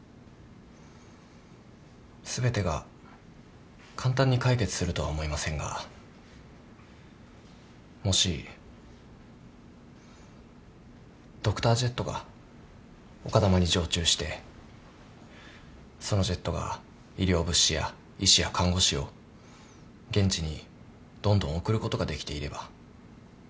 全てが簡単に解決するとは思いませんがもしドクタージェットが丘珠に常駐してそのジェットが医療物資や医師や看護師を現地にどんどん送ることができていれば。